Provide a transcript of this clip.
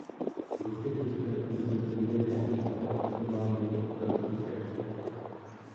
Druh je v České republice poměrně zřídka pěstován jako okrasný keř.